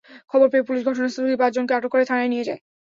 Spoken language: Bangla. খবর পেয়ে পুলিশ ঘটনাস্থলে গিয়ে পাঁচজনকে আটক করে থানায় নিয়ে যায়।